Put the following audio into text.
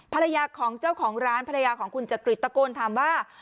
ภรรยาของเจ้าของร้านภรรยาของคุณจักริตตะโกนถามว่า